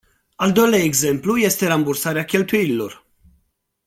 Al doilea exemplu este rambursarea cheltuielilor.